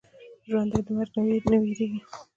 ژوندي د مرګ نه وېرېږي